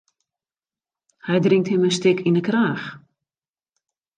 Hy drinkt him in stik yn 'e kraach.